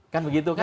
kan begitu kan